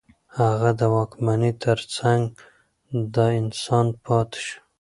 هغه د واکمنۍ ترڅنګ د انسان پاتې شو.